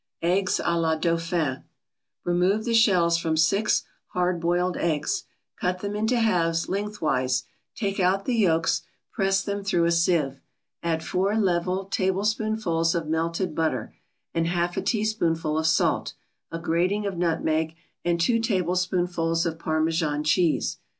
EGGS A LA DAUPHIN Remove the shells from six hard boiled eggs, cut them into halves, lengthwise, take out the yolks, press them through a sieve. Add four level tablespoonfuls of melted butter, and half a teaspoonful of salt, a grating of nutmeg and two tablespoonfuls of Parmesan cheese.